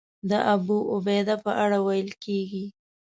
د ابوعبیده په اړه ویل کېږي.